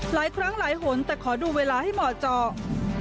หลายครั้งหลายหนแต่ขอดูเวลาให้เหมาะเจาะ